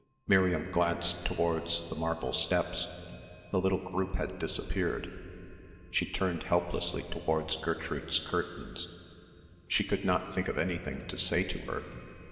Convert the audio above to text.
Miriam glanced towards the marble steps. The little group had disappeared. She turned helplessly towards Gertrude's curtains. She could not think of anything to say to her.